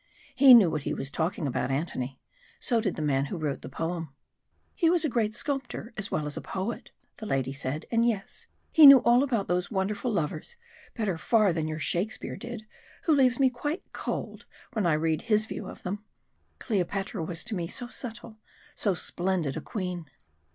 He knew what he was talking about, Antony! so did the man who wrote the poem!" "He was a great sculptor as well as a poet," the lady said. "And yes, he knew all about those wonderful lovers better far than your Shakespeare did, who leaves me quite cold when I read his view of them. Cleopatra was to me so subtle, so splendid a queen."